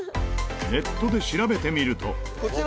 ネットで調べてみると二階堂：